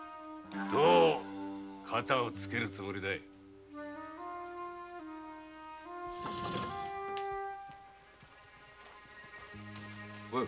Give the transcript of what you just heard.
どう片をつけるつもりだい親分。